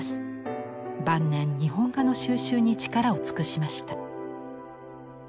晩年日本画の収集に力を尽くしました。